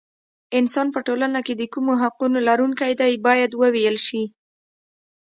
انسان په ټولنه کې د کومو حقونو لرونکی دی باید وویل شي.